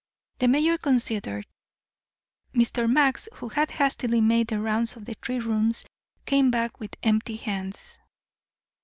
The mayor considered. Mr. Max, who had hastily made the rounds of the three rooms, came back with empty hands.